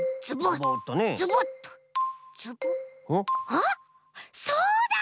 あっそうだ！